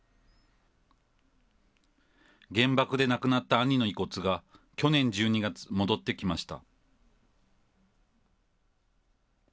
原爆で亡くなった兄の遺骨が去年１２月、戻ってきました。